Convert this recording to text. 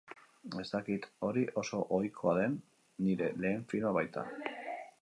Ez dakit hori oso ohikoa den, nire lehen filma baita.